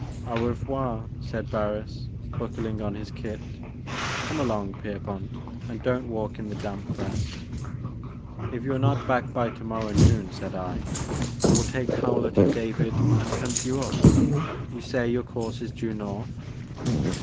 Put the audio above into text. " Au revoir," said Barris, buckling on his kit, ''come along, Pierpont, and don't walk in the damp grass." " If you are not back by to morrow noon," said 1 6 The Maker of Moons. I, " I will take Hewlett and David and hunt you up. You say your course is due north